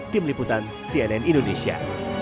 tim liputan cnn indonesia